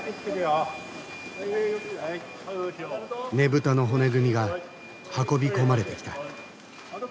ねぶたの骨組みが運び込まれてきた。